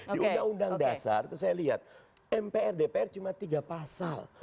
di undang undang dasar itu saya lihat mpr dpr cuma tiga pasal